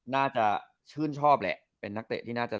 น่าจะชื่นชอบแหละเป็นนักเตะที่น่าจะ